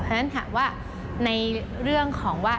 เพราะฉะนั้นถามว่าในเรื่องของว่า